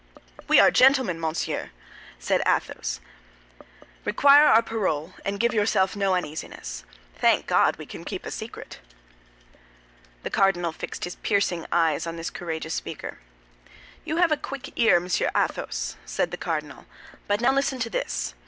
"We are gentlemen, monseigneur," said Athos; "require our parole, and give yourself no uneasiness. Thank God, we can keep a secret." The cardinal fixed his piercing eyes on this courageous speaker. "You have a quick ear, Monsieur Athos," said the cardinal; "but now listen to this.